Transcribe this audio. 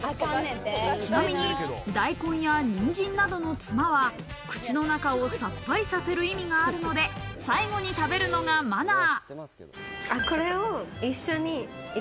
ちなみに大根やにんじんなどのつまは、口の中をさっぱりさせる意味があるので最後に食べるのがマナー。